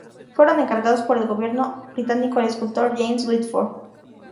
Fueron encargados por el gobierno británico al escultor James Woodford.